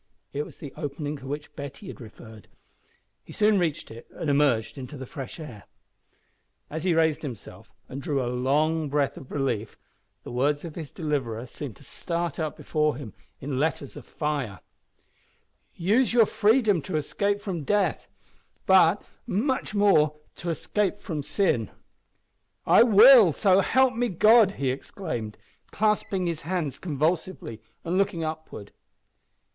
It was the opening to which Betty had referred. He soon reached it and emerged into the fresh air. As he raised himself, and drew a long breath of relief, the words of his deliverer seemed to start up before him in letters of fire "Use your freedom to escape from death but much more, to escape from sin." "I will, so help me God!" he exclaimed, clasping his hands convulsively and looking upward.